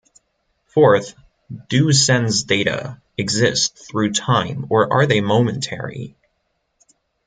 Fourth, do sense-data exist through time or are they momentary?